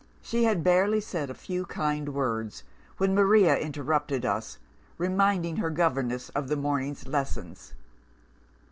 "She had barely said a few kind words, when Maria interrupted us, reminding her governess of the morning's lessons.